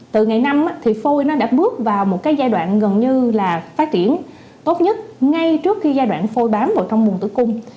từ ngày năm phôi đã bước vào giai đoạn gần như phát triển tốt nhất ngay trước giai đoạn phôi bám bồi trong mùn tử cung